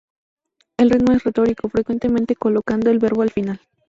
El ritmo es retórico, frecuentemente colocando el verbo al final.